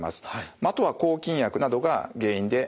あとは抗菌薬などが原因で起こりえます。